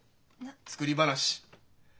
作り話。